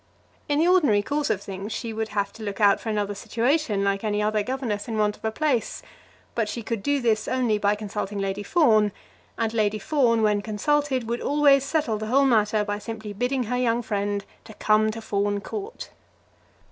In the ordinary course of things she would have to look out for another situation, like any other governess in want of a place; but she could do this only by consulting Lady Fawn; and Lady Fawn when consulted would always settle the whole matter by simply bidding her young friend to come to Fawn Court.